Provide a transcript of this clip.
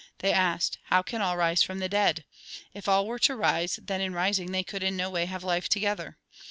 They asked: "How can all rise from the dead ? If all were to rise, then in rising they could in no way have life together.